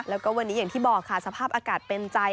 แล้วก็วันนี้อย่างที่บอกค่ะสภาพอากาศเป็นใจ